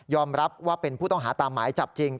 รับว่าเป็นผู้ต้องหาตามหมายจับจริง